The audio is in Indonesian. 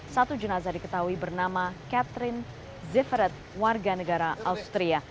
satu jenazah diketahui bernama catherine zivared warga negara austria